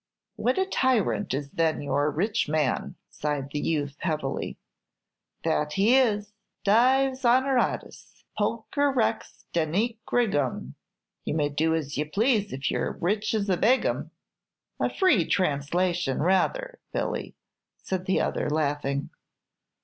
"What a tyrant is then your rich man!" sighed the youth, heavily. "That he is. 'Dives honoratus. Pulcher rex denique regum.' You may do as you please if ye'r rich as a Begum." "A free translation, rather, Billy," said the other, laughing.